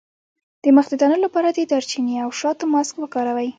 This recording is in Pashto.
د مخ د دانو لپاره د دارچینی او شاتو ماسک وکاروئ